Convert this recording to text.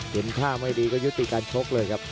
เห็นท่าไม่ดีก็ยุติการชกเลยครับ